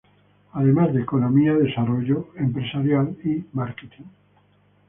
Además de economía, desarrollo empresarial y marketing.